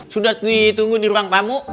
sudah ditunggu di ruang tamu